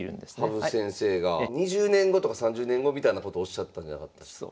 羽生先生が２０年後とか３０年後みたいなことをおっしゃったんじゃなかったでしたっけ。